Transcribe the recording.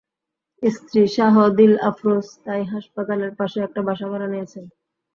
স্ত্রী শাহ দিল আফরোজ তাই হাসপাতালের পাশে একটা বাসা ভাড়া নিয়েছেন।